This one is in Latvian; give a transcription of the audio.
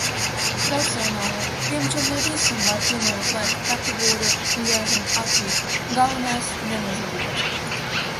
Racionālāk. Diemžēl ne visam var piemērot laika kategoriju un jāizlemj ātri. Galvenais nenožēlot.